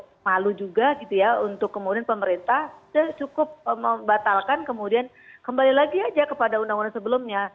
seharusnya nggak perlu malu juga gitu ya untuk kemudian pemerintah cukup membatalkan kemudian kembali lagi aja kepada undang undang sebelumnya